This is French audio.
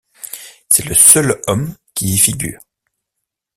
C'est le seul homme qui y figure.